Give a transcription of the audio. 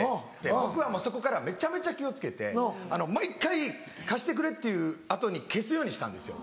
僕はもうそこからめちゃめちゃ気を付けて毎回「貸してくれ」っていう後に消すようにしたんですよ。